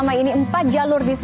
menurut pak deddy